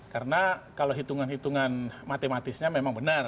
karena kalau hitungan hitungan matematisnya memang benar